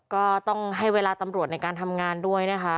ก็ต้องให้เวลาตำรวจในการทำงานด้วยนะคะ